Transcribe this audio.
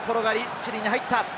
チリに入った。